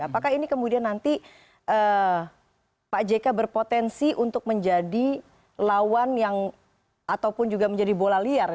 apakah ini kemudian nanti pak jk berpotensi untuk menjadi lawan yang ataupun juga menjadi bola liar